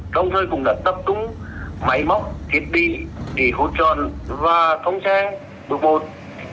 đồng thời cũng đã tập trung máy móc thiết bị để hỗ tròn và thông xe bước bột